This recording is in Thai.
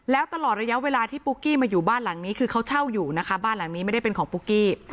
แล้วตลอดระยะเวลาที่ปุ๊กกี้มาอยู่บ้านหลังนี้คือเขาเช่าอยู่นะคะบ้านหลังนี้ไม่ได้เป็นของปุ๊กกี้